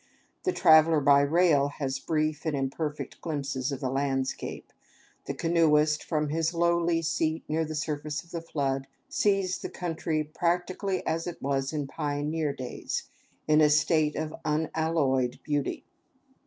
The traveler by rail has brief and imperfect glimpses of the landscape. The canoeist, from his lowly seat near the surface of the flood, sees the country practically as it was in pioneer days, in a state of unalloyed beauty.